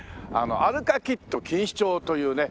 アルカキット錦糸町というね